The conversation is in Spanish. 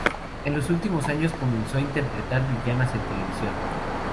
En los últimos años comenzó a interpretar villanas en televisión.